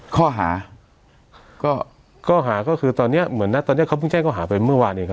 ข้อหาก็คือตอนเนี้ยเขาพึ่งแจ้งออกหาไปเมื่อวันเองครับ